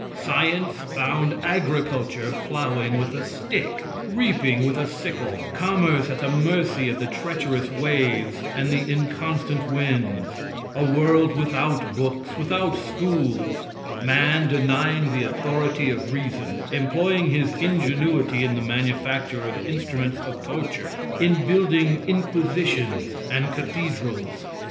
Science found agriculture plowing with a stick reaping with a sickle commerce at the mercy of the treacherous waves and the inconstant winds a world without books without schools man denying the authority of reason, employing his ingenuity in the manufacture of instruments of torture in building inquisitions and cathedrals.